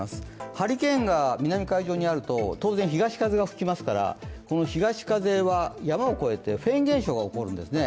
ハリケーンが南海上にあると当然東風が吹きますから、この東風は山を越えてフェーン現象が起きるんですね。